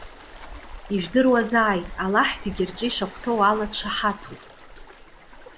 Ижәдыруазааит, Аллаҳ зегьы рҿы ишахәҭоу ала дшаҳаҭуп.